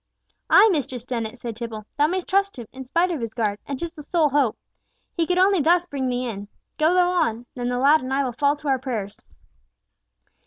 "Ay, Mistress Dennet," said Tibble, "thou mayst trust him, spite of his garb, and 'tis the sole hope. He could only thus bring thee in. Go thou on, and the lad and I will fall to our prayers."